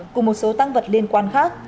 cùng một số tăng vật liên quan khác